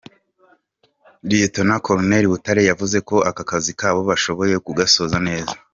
Lt Col Butare yavuze ko akazi kabo bashoboye kugasoza neza.